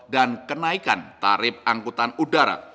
dan kenaikan tarif angkutan udara